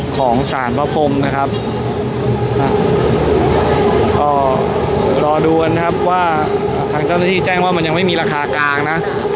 ของสารพระพรมนะครับก็รอดูกันนะครับว่าทางเจ้าหน้าที่แจ้งว่ามันยังไม่มีราคากลางนะ